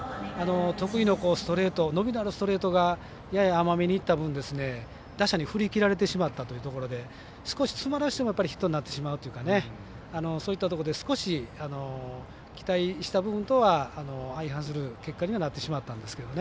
得意のストレート伸びのあるストレートがやや甘めにいった分打者に振り切られてしまったというところで少し詰まらせてもヒットになってしまうというかそういったとこで少し期待した部分とは相反する結果にはなってしまったんですけどね。